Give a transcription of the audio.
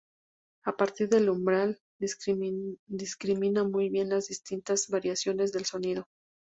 A partir del umbral discrimina muy bien las distintas variaciones del sonido.